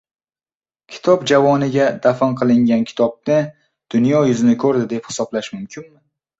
Kitob javoniga “dafn qilingan” kitobni dunyo yuzini ko‘rdi deb hisoblash mumkinmi?